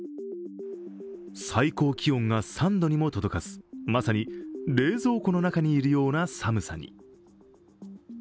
最高気温が３度にも届かず、まさ冷蔵庫の中にいるような寒さに。